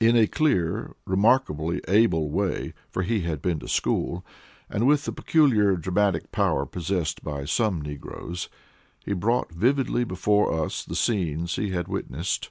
In a clear, remarkably able way (for he had been to school), and with the peculiar, dramatic power possessed by some negroes, he brought vividly before us the scenes he had witnessed.